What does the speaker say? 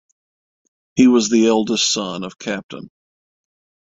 He was the eldest son of Capt.